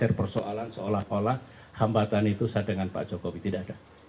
ada persoalan seolah olah hambatan itu saya dengan pak jokowi tidak ada